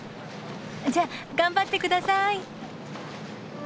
じゃあ頑張ってください。